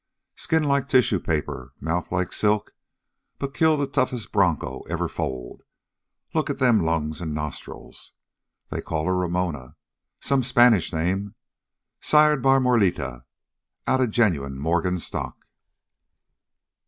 "Skin like tissue paper, mouth like silk, but kill the toughest broncho ever foaled look at them lungs an' nostrils. They call her Ramona some Spanish name: sired by Morellita outa genuine Morgan stock."